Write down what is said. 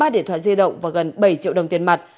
ba điện thoại di động và gần bảy triệu đồng tiền mặt